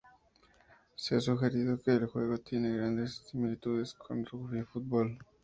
Se ha sugerido que el juego tiene grandes similitudes con el rugby fútbol.